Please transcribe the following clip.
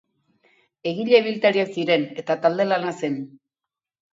Egile ibiltariak ziren eta talde lana zen.